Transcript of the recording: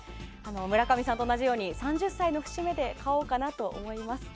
村上さんと同じように３０歳の節目で買おうかなと思います。